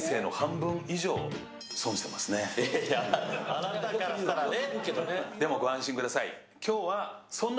あなたからしたらね。